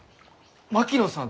槙野さん。